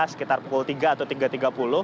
sekitar pukul tiga atau tiga tiga puluh